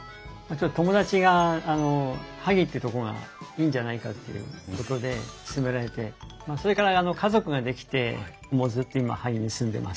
友達が萩ってとこがいいんじゃないかっていうことで勧められてそれから家族が出来てもうずっと今萩に住んでます。